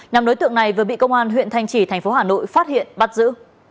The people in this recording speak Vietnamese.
nhóm đối tượng này vừa bị công an huyện thanh trì thành phố hà nội phát hiện bắt giữ